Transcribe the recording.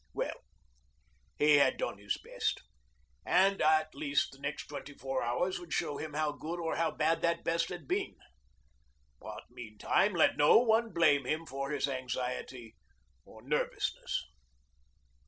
Well ... he had done his best, and at least the next twenty four hours should show him how good or how bad that best had been. But meantime let no one blame him for his anxiety or nervousness.